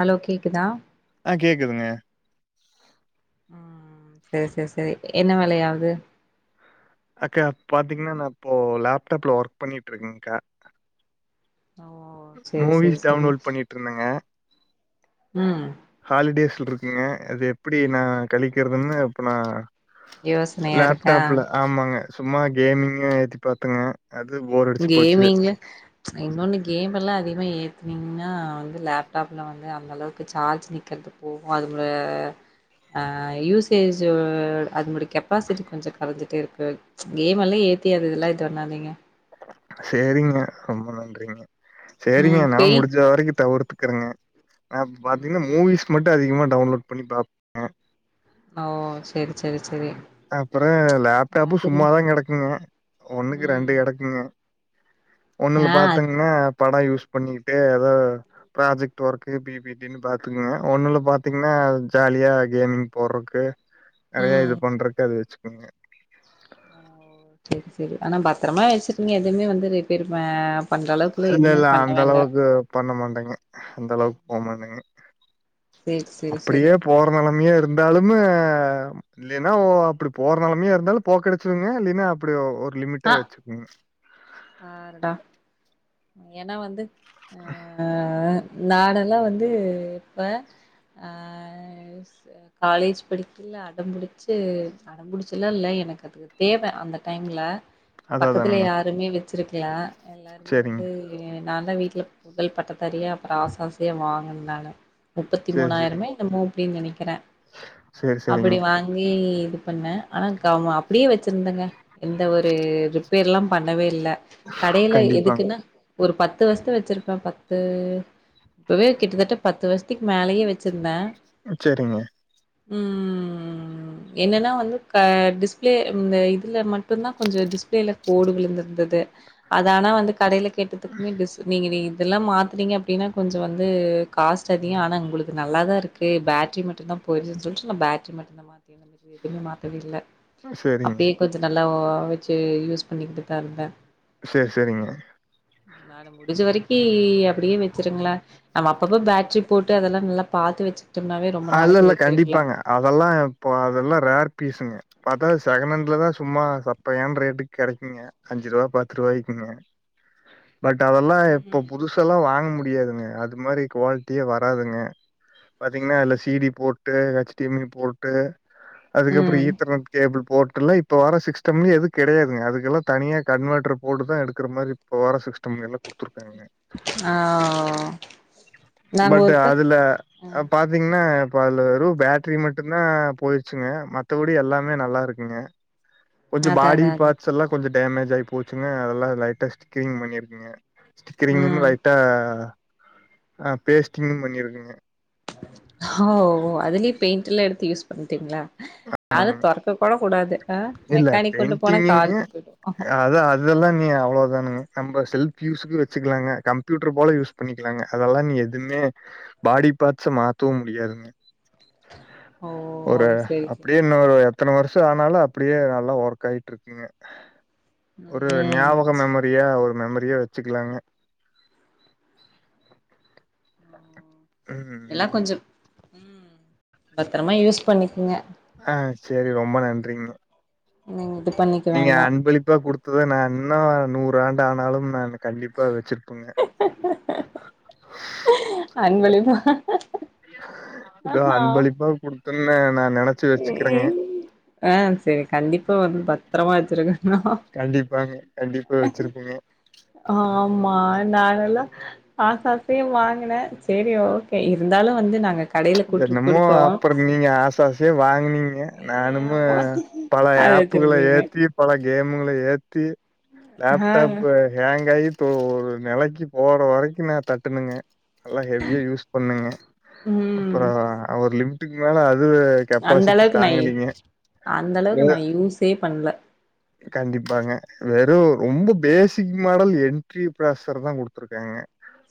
Hello கேக்குதா ஆ கேக்துங்க ம் சேர் செரி என்ன வெலயாவுது அக்கா பாத்தீங்ன்னா நா இப்போ லேப்டாப்ல ஒர்க் பண்ணிட்டு இருக்கேன்கா ஓ செரி செரி மூவிஸ் செரி டவுன்லோட் பண்ணிட்ருந்தங்கே ம் ஹாலிடேஸ்ல இருக்கேங்க அது எப்படி நா கழிக்கிறதுன்னு இப்ப நா யோசனையா இருக்கா லேப்டாப்ல ஆமாங்க சும்மா கேம்முங்க ஏத்தி பாத்தங்க அது போர் அடிச்சு போச்சு ப்ச் இன்னொன்னு கேம் எல்லா அதிக்மா ஏத்துனீங்னா வந்து லேப்டாப்ல வந்து அந்த அளவுக்கு சார்ஜ் நிக்கது போவ்மா அதுபுல ஆ யூசேஜு அதனுடைய கெப்பாசிட்டி கொஞ்சோ கரைஞ்சிட்டே இருக்கு ப்ச் கேம் எல்லா ஏத்தி யதுஇதுலா இது வண்ணாதீங்க சேரிங்க ரொம்ப நன்றிங்க சேரிங்க ம் என்னால பேய் முடிஞ்ச வரைக்கு தவிர்த்துக்குறேங்க நா அப் பாத்தீங்னா ம் மூவிஸ் மட்டு அதிகமா டவுன்லோட் பண்ணி பாப் ஓ செரி செரி செரி அப்பற லேப்டாப்பு அதுங்க சும்மாதா கிடக்குங்க ஒன்னுக்கு ம் ரெண்டு கிடக்குங்க ஒண்ணுல ஆ அது பாத்தங்ன்னா படோ யூஸ் பண்ணிட்டு ஏதாவது ப்ராஜெக்ட் ஒர்க்கு பி பி அப்டின்னு பாத்துக்கங்க ஒண்ணுல பாத்தீங்னா ஜாலியா கேமிங் போட்றக்கு நெறைய ம் இது பண்றக்கு அத வச்சுக்கோங்க ஓ செரி செரி ஆனா பத்திரமா வச்சிகுங்க எதுவுமே வந்து ரிப்பேரு ப பண்ற அளவுக்குலா இல்ல எதுவுமே இல்ல பண்ண அந்த வேண்டா அளவுக்கு பண்ண மாட்டாங்க அந்த அளவுக் போமாட்டங்க சேரி சேரி சேரி அப்படியே போற நிலைமையா இருந்தாலும்மே இல்லீனா ஓ அப்படி போற நிலமையே இருந்தாலு போக்கடிச்சிருங்க இல்லின்னா அப்படி ஒரு லிமிட்டா வச்சுக்குவங்க பார்டா ஏன்னா வந்து ஆ ஆ நானெல்லா வந்து இப்ப ஆ காலேஜ் படிக்கி இல்ல அடம்பிடிச்சு அடம்புடிச்சல்லா இல்ல எனக்கு அதுக்கு தேவ அந்த டைம்ல அதா பக்கத்துல அதானுங்க யாருமே வச்சிருக்ல எல்லாருமே‌ வந் சேரிங்க இல்லியே நா தா வீட்ல முதல் பட்டதாரியா அப்றோ ஆச ஆசயா வாங்கன நானு முப்பத்தி சேரி மூணாயிரமே சேரிங்க இந்நமோ அப்டின் நெனக்கிற சேரி சேரிங்க அப்படி வாங்கி இது பண்ண ஆனா க மா அப்டியே வச்சிருந்தேங்க எந்த ஒரு ரிப்பேர்லா பண்ணவே இல்ல கடையில கண்டிப்பாங்க எதுக்குனா ஒரு பத்து வருஷத்து வச்சிருப்ப பத்து இப்பவே கிட்டத்தட்ட பத்து வருஷ் தூக்கி மேலேயே வெச்சிருந்தே சேரிங்க ம் என்னன்னா வந்து க டிஸ்பிளே இந்த இதுல மட்டுந்தா கொஞ்சோ டிஸ்பிளேல கோடு விழுந்திருந்தது அது ஆனா வந்து கடைல கேட்டதுக்குமே டிஸ் நீங்க நீ இதெல்லா மாத்துனீங்க அப்டினா கொஞ்சோ வந்து காஸ்ட் அதிகோ ஆனா உங்களுக்கு நல்லாதா இருக் கு பேட்ரி மட்டுந்தா போய்ருசுன் சொல்ட்டு நா பேட்ரி மட்டுந்தா மாத்துன எதுவுமே மாத்தவே இல்ல சேரிங்க அப்டியே கொஞ்சோ நல்லா வெச்சு யூஸ் பண்ணிக்கிட்டுதா இருந்த செரி செரிங்க நானு முடிஞ்ச வரிக்கு அப்டியே வெச்சிருங்ள நம்ம அப்பப்ப பேட்ரி போட்டு அதெல்லா நல்லா பாத்து வெச்சுட்டோம்னாவே ரொம்ப இல்ல நாளைக்கு இல்ல வெச்சிருக்லா கண்டிப்பாங்க அதெல்லா இப்போ அதெல்லா ரேர் பீசுங்க பாத்தா செகணட்லதா சும்மா சப்பையான ரேட்டுக் கடைக்குங்க அஞ்சு ரூபா பத்து ரூபாயக்குங்க பட் அதெல்லா இப்போ ம். புதுஷ் கிஃப்ட்ல்லா வாங்க முடியாதுங்க அது மாரி குவாலிட்டியா வராதுங்க பாத்தீங்கன்னா அதுல சிடி போட்டு ஹெச் டி யம் மை போட்டு அதுக்கப்றோ ம். ஈத்தர்னட் கேபிள் போட்டுலா இப் இப்போ வர சிஸ்டம்ல எது கெடையாதுங்க அதுக்கெல்லா தனியா கன்வட்டர் போட்டுதா எடுக்குறமாரி இப்போ வர சிஸ்டம் எல்லா குடுத்துருக் காங்க ஆ நாங்க பட் ஒருக்க அதுல ஆ அ பாத்தீங்னா இப்போ அதுல வெறு பட்ரி மட்டுதா போய்ருச்சுங்க மத்தபடி எல்லாமே நல்லாருக்குங்க கொஞ்சோ அதா பாடி அதா அதா பார்ட்ஸ்லா கொஞ்சோ டமேஜ் ஆய் போச்சுங்க அதெல்லா லைட்டா ஸ்டிக்கிங் பண்ணிருக்குங்க ஸ்டிக்கரிங்கு ம் லைட்டா அ பேஸ்ட்டிங்கு பண்ணிருக்குங்க ஹோ அதுலயு பெயிண்ட்டுலா எடுத்து யூஸ் பண்ணிட்டீங்ளா அத தொறக்க கூட கூடாது அ இல்ல பெயிண்டிங்குனு அதா அ இதெல்லா இனி அவ்ளோதானுங்க நம்ம செல்ஃப் யூஸுக்கு வெச்சுக்கலாங்க கம்ப்யூட்டர் போல யூஸ் பண்ணிக் குலாங்க அதெல்லா நீ எதுமே பாடி பாட்ஸ்ச மாத்தவு முடியாதுங்க ஓ ஒரு செரி செரி அப்டியே இன்னொரு எத்தன வர்ஷோ ஆனாலு அப்டியே நல்லா ஒர்க் ஆய்ட்ருக்குங்க ஒரு ம் ஞாபக மெமரியா ஒரு மெமரியா வெச்சுக்குலாங்க எல்லா ம் கொஞ்சோ ம் பத்தரமா யூஸ் பண்ணிக்கங்க ஆ செரி ரொம்ப நன்றிங்க ம் இது பண்ணி நீங்க அன்பளிப்பா குடுத்ததா நா இன்னு நூறு ஆண்டு ஆனாலும் நானு கண்டிப்பா வெச்சிருப்பங்க அன்பளிப்பா இதா அன்பளிப்பா குடுத்தன்னே நா நனச் ம் ஆ செரி கண்டிப்பா வந்து பத்ரமா வெச்சிருக்க கண்டிப்பாங்க கண்டிப்பா வெச்சிருப்பேங்க ஆமா நானெல்லா ஆச ஆசையா வாங்குன சேரி ஓகே இருந்தாலு வந்து நாங்க கடைல கூட்டு என்னமோ குடுத்தோ அப்புறம் நீங்க ஆச ஆசையா வாங்குனீங்க நானுமே ஆமா பல அத ஆப்புகள வச்சிருந்தீங்க யேத்தி பல கேமுங்கள ஏத்தி ஆ லேப்டாப்பு ஆங்காயி இப்போ ஒரு நெலைக்கு போற வரிக்கு நா தட்டுனங்க நல்லா ஹெவியா யூஸ் பண்ணங்க ம் அப்பறோ ஒரு லிமிட்டுக்கு மேல அது அந்த கெப்பாசிட்டி அளவுக்கு நய் தாங்கலீங்க. அந்த அளவுக்கு வே நா யூஸே பண்ல கண்டிப்பாங்க வெறு ரொம்ப பேசிக் மாடல் என்ட்ரி ப்ராசசர் தா குடுத்துருக்காங்க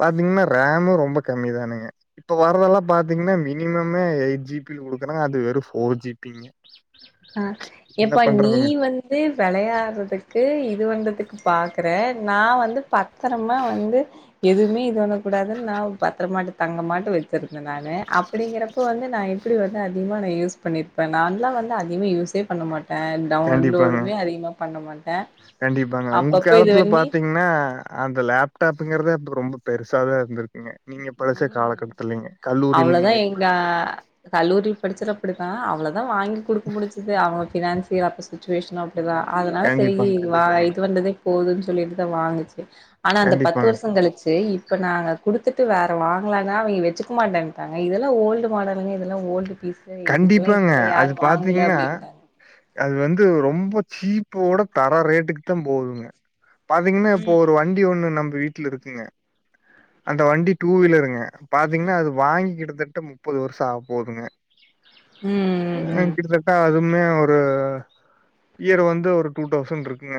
பாத்திங்னா ரேமூ ரொம்ப கம்மி தானுங்க இப்ப வரதெல்லா பாத் பாத்திங்ன்னா மினிமம்மே எய்ட் ஜி பி குடுக்கனா அது வெறு ஃபோர் ஜி பீங்க அ எப்பா நீ வந் து வெளையாடுறதுக்கு இது வந்ததுக்கு பாக்கற நா வந்து பத்தரமா வந்து எதுமே இது பண்ண கூடாதுன் நா பத்ரமாட்டு தங்க மாட்ட வெ ச்சிருந்த நானு அப்டிங்கறப்ப வந்து நா எப்புடி வந்து அதிகமா நா யூஸ் பண்ணிருப்ப நான்ல்லா வந் து அதிகமா யூஸே பண்ண மாட்ட கண்டிப்பாங்க டவுன்லோடுமே அதிகமா பண்ண மாட்ட கண்டிப்பாங்க உங்க காலத்துல பாத்திங்னா அந்த லேப்டாப்புங்கிறது அப்ப ரொம்ப பெருசா தா இருந்துருக் குங்க நீங்க படிச்ச ம் காலக்கட்டத்துலிங்க கல்லூரீல அவ்ளோதா நீங்க எங்க கல்லூரி படிச்சர அப்படிதா அவ்ளதா வாங்கி குடுக்க முடிச்சது அவங்க ஃபினன்சியல் அப்ப சுச்சுவேஷன்னு அப் படிதா அதனால செயீ கண்டிப்பாங்க வா கண்டிப்பாங்க இது வந்ததே போதுன் சொல்லிட்டுதா வாங்குச்சு ஆனா அந்த பத்து கண்டிப்பாங்க வருஷோ கழிச்சு இப்ப நாங்க குடுத்துட்டு வேற வாங்கலானா அவிங்க வெச்சுக்க மாட்டென்ட்டாங்க இதெல்லா ஓல்டு மாடலுங்க இதெல்லா ஓல்டு பீஸ் இது இதுக்கெல்லா கண்டிப்பாங்க இப்பல்லா யாரு அது வாங்கல பாத்தீங்கன்னா அப்டின்னாங்க அது வந்து ரொம்ப சீப்போட தர ரேட்டுக்கு தா போதுங்க பாத்தீங்ன்னா இப்ப ம் ஒரு வண்டி ஒண்ணு நம்ப வீட்டுல இருக்குங்க அந்த வண்டி டூ வீலருங்க பாத்திங்னா அது வாங்கி கிட்டத்தட்ட முப்பது வருஷோ ஆக போதுங்க ம் கிட்டதட் ட அதுமே ஒரு இயர் வந்து ஒரு டூ டவுசண்ருக்குங்க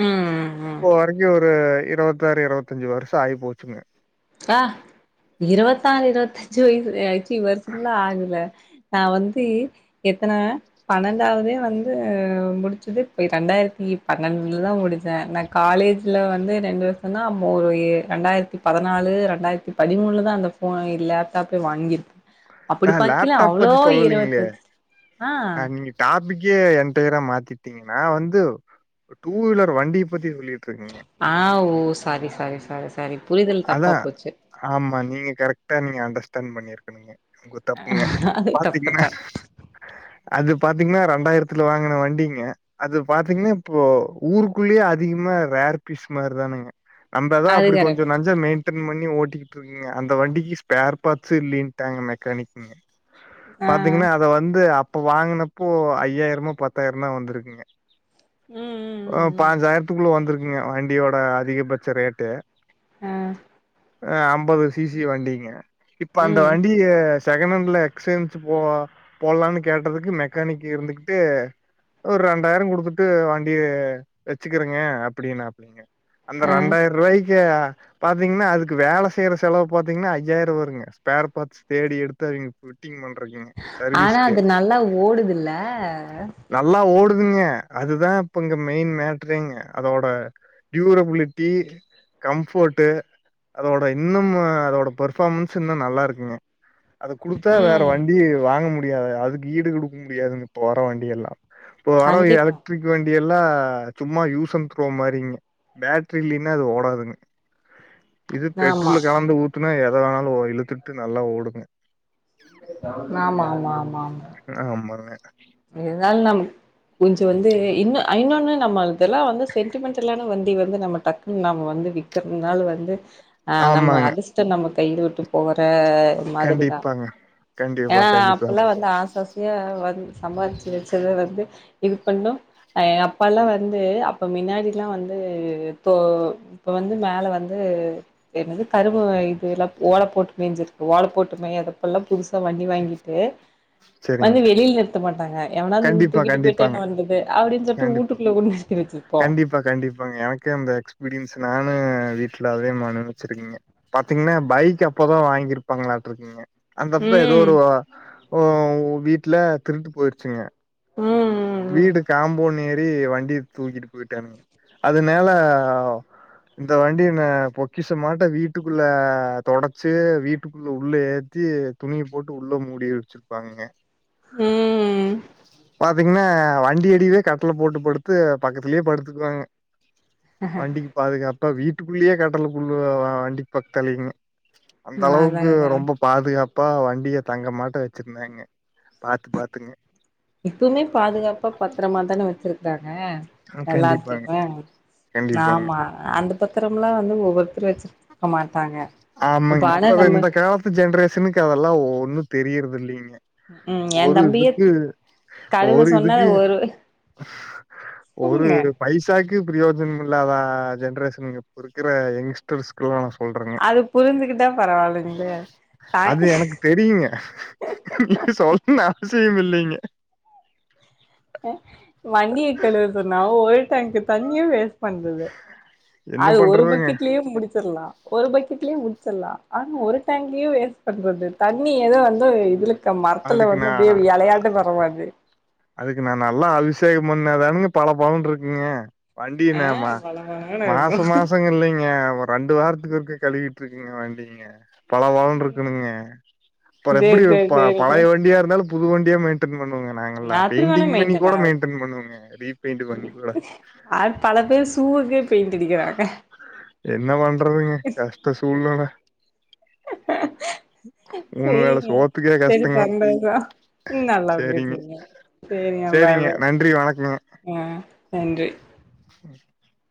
ம் ம் ம் இப்போ வரைக்கு ஒரு இருவத்தாறு இருவத்தஞ்சு வருஷோ ஆயி போச்சுங்க அ இருவத்தாரு இருவத்தஞ்சு வயசு அயிக்கி வருசம்ல்லா ஆகுதுல்ல நா வந்து எத்தன பன்னெண்டாவதே வந்து முடிச்சது இப்ப ரெண்டாயிரத்தி பன்னண்டுலதா முடிச்சே காலேஜ்ல வந்து ரெண்டு வருஷோந்தா மு எ ரெண்டாயிரத்தி பதி னாலு ரெண்டாயிரத்தி பதிமூண்ல தா அந்த போ லேப்டாப்பே வாங்கிருக் அப்புடி நா பாக்கில லேப்டாப் அவ்ளோ பத்தி ஈர சொல்லலீங்களே [inaudible] ஆ நா நீங்க டாபிக்கே எண்டயரா மாத்திட்டிங்கனா வந்து டூ வீலர் வண்டிய பத்தி சொல்லிட்டுருக்கிங்க ஆ ஓ சாரி சாரி சாரி ச அதா ஆமா நீங்க கரெக்டா நீங்க அண்டர்ஸ்டண்ட் பண்ணிருக்கனுங்க உங்க தப்புங்க அது பாத்துக்குங்க தப்புதா அது பாத்திங்னா ரெண்டாயிரத்துல வாங்குன வண்டிங்க அது பாத்திங்னா இப்போ ஊருக்குள்ளயே அதிகமா ரேர் பீஸ் மார் தானுங்க நம்ப தா அது அப்டி கரெக்ட் பஞ்சர் மெய்ன்டன் பண்ணி ஓட்டிகிட்டு இருக்குங்க அந்த வண்டிக்கு ஸ்பேர் பார்ஸ்சு இல்லின்ட்டாங்க மெக்கானிக்குங்க அ பாத்திங்னா அத வந்து அப்ப வாங்குனப்போ ஐயாயிரமோ பத்தாயிரோ தா வந்துருக்குங்க ம் அ ம் ம் ம் பாஞ்சாயிரத்துக்குள்ள வந்துருக்குங்க வண்டியோட அதிகபட்ச ரேட்டு ஆ அ அம்பது சி சி வண்டிங்க இப்ப அந்த ம் வண்டிய செகணட்ல எக்ஸ்சேஞ்ச் போ போடலானு கேட்டதுக்கு மெக்கானிக் இருந்துகுட்டு ஒரு ரெண்டாயிரோ குடுத்துட்டு வாங் வச்சுக்குறங்க அப்டின்னாப்டி அந்த அ ரெண்டாயிரூவாய்க்கு பாத்தீங்கனா அதுக்கு வேல செய்ற செலவு பாத்தீங்கனா ஐயாயிரோ வருங்க ஸ்பேர் பாட்ஸ் தேடி எடுத்து அவிங்க [unintelligible] ஆனா சர்வீஸ்க்கு அது நல்லா ஓடுதுல்ல நல்லா ஓடுதுங்க அதுதா இப்ப இங்க மெயின் மேட்ரேங்க அதோட டியூரபிலிட்டி கம்ஃபோட்டு அதோட இன்னுமு அதோட பர்ஃபாம்ஸ் இன்னு நல்லா இருக்குங்க அத குடுத்தா வேற ம் வண்டி வாங்க முடியாது அதுக்கு ஈடு குடுக்க முடியாதுங்க இப்ப வர வண்டி எல்லா இப்ப வர கண்டிப்பா எலக்டிரிக் வண் டி எல்லா சும்மா யூஸ் அன் துரோ மாரிங் பேட்ரி இல்லீனா அது ஓடாதுங் இது ஆமா பெட்ரோல்ல கலந்து ஊத்துனா எத வேணாலு இழுத்துட்டு நல்லா ஓடுங்க ஆமா ஆமா ஆமா ஆமா ஆமாங்க இதால நமக் கொஞ்ச வந்து இன்னு இன்னொன்னு நம்ம இதெல்லா வந்து சென்டிமெண்டலான வண்டி வந்து நம்ம டக்குன்னு நாம வந்து விக் கிறதுனால வந்து அ நம்ம ஆமாங்க அதிஷ்ட நம்ம கைய விட்டு போற மாதிரிதா கண்டிப்பாங்க கண்டிப்பா ஏனா கண்டிப்பாங்க அப்பெலா வந்து ஆசையாசையா வந்து சம்பாதிச்சு வச்சத வந்து இது பண்ணு அ அப்ப எலா வந்து அப்ப மின்னாடிலா வந்து தோ இப்ப வந்து மேல வந்து என்னது கருவோ இது எலா ஓல போட்டு மேஞ்சிருக்கு ஓல போட்டுமே அதப் இப்ப எல்லா புதுசா வண்டி வாங்கிட்டு சரிங்க வந்து வெளில நிரு த்த மாட்டாங்க எவனாது வந்து கண்டிப்பா தூக்கிட்டு போயிட்டா கண்டிப்பாங்க என்ன வன்றது அப்டின்னு சொல்லிட்டு கண்டிப்பா ஊட்டுகுள்ள கொண்டு நிருத்தி வச்சிருப்போ கண்டிப்பா கண்டிப்பாங்க எனக்கு அந்த எக்ஸ்பீரியன்ஸ் நானு வீட்ல அதே மாறி அனுபவிச்சிருக்கிங்க பாத்தீங்கனா பைக் அப்பதா வாங்கிருப்பாங்களாட்டிற்குங்க அந்தப்ப ஏதோ ம் ஒரு ஓ வீட்ல திருட்டு போயிருச்சுங்க ம் ம் வீடு காம்பவுண்ட் ஏறி வண்டிய தூக்கிட்டு போயிட்டான்ங் அதனால இந்த வண்டிய நா பொக்கிஷ மாட்ட வீட்டுக்குள்ள தொடச்சு வீட்டுக்குள்ள உள்ள ஏத்தி துணிய போட்டு உள்ள மூடியே வச்சுருப்பாங்கங்க ம் ம் பாத்தீங்கனா வண்டி அடிலே கட்டல போட்டு படுத்து பக்கத்துலயே படுத்துக்குவாங்க வண்டிக்கு பாதுகாப்பா வீட்டுக்குள்ளேயே கட்டலக் கொண்டு வந்து வண்டிக்கு பக்கத்தலைங்க அந்த ம் அதா அளவுக்கு அதா ரொம்ப பாதுகாப்பா வண்டிய தங்க மாட்டோ வச்சிருந்தாங்க பாத்து பாத்துங்க இப்புமே பாதுகாப்பா பத்தரமா தான வச்சிருக்காங்க எல்லாத்தயுமே கண்டிப்பா ஆமா அந்த பத்திரம்லா வந்து ஒவ்வொருத்தர் வச்சிருக் ஆமாங்க இப்பவே நம்ம இந்த காலத் ஜென்ரேஷனுக்கு அதெல்லா ஒன்னு தெரியறது இல்லீங்க ம் என் ஒரு தம்பியே இதுக்கு கழுவ ஒரு சொன்னா இதுக்கு ஒரு ஒரு சொல்லுங்க பைசாக்கு பிரியோஜனம் இல்லாத ஜென்ட்ரேஷன்ங்க இப்ப இருக்கற யங்ஸ்டர்ஸ் பொதுவா நா சொல்றங்க அது புரிஞ்சுக்கிட்டா பரவாயில்லைங்களே ட அது எனக்கு தெரியுங்க நீங்க சொல்ம்னு அவசியோ இல்லீங்க வண்டிய கழுவ சொன்னா ஒரு டேங்க்கு தண்ணிய வேஸ்ட் பண்றது என்ன அது ஒரு பண்றதுங்க பக்கெட்லே முடிச்சர்லா ஒரு பக்கெட்லே முட்ச்சர்லா ஆனா ஒரு டேங்கையு வேஸ்ட் பண்றது தண்ணி ஏதோ வந்து இதுல க மரத்துல அதுக்கு வந்து நா அப்டே எலையாட்டோ பரவாது அதுக்கு நா நல்லா அபிஷேகம் பண்ணாதானங்க பல பலனு இருக்குங்க ஆ வண்டினம வள வளன்னு இருக்கு மாச மாசோ இல்லைங்க ரெண்டு வாரத்துக்கு ஒருக்க கழுவிட்டு இருக்கங்க வண்டிங்க பல பலன்னு இருக்குணுங்க அப்றோ சேரி எப்டி சேரி சேரிங்க பழைய வண்டியா இருந்தாலு புது வண்டியா மெயின்டெய்ன் பண்ணுவோங்க நாங்கல்லா அப்டி வேணா பெண்டிங் பண்ணி கூட ஆகுது மெயின்டென் பண்ணுவங்க ரீபெயிண்ட் பண்ணி கூட அது பல பேர் சூவுக்கே பெயிண்ட் அடிக்கிறாங்க என்ன பண்றதுங்க கஷ்ட சூழ்நெல மூணு வேள சேரிங்க சோத்துக்கே சேரி கஷ்டங்க பண்றதா ம் நல்லா சேரிங்க பேசுறிங்க சேரிங்க பாய் பாய் நன்றி வணக்கங்க ம் நன்றி [inaudible]